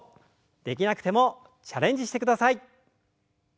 できなくてもチャレンジしてください。